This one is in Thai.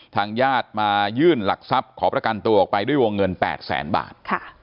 ทางญาติมายื่นหลักทรัพย์ขอประกันตัวออกไปด้วยวงเงิน๘แสนบาท